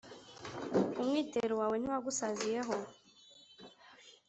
umwitero wawe ntiwagusaziyeho,